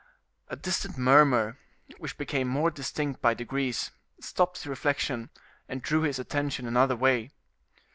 A distant murmur, which became more distinct by degrees, stopped this reflection, and drew his attention another way.